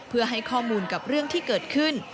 เพื่อให้ข้อมูลกับเรื่องที่เกิดขึ้น